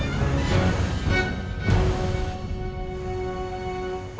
ketika ma menunggu nino ma sudah mengambil nino ke rumah